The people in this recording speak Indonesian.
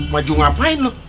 maju ngapain lu